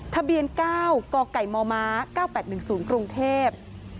ทะเบียน๙กมม๙๘๑๐กรุงเทพฯ